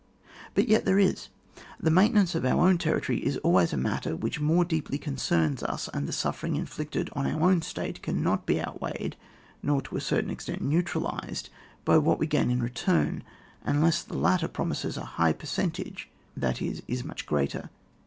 But yet there is. The maintenance of our own territory is always a matter which more deeply concerns us, and the suffering inflicted on our own state can not be outweighed, nor, to a certain ex tent, neutralised by what we gain in return, unless the latter promises a high percentage, that is, is much greater.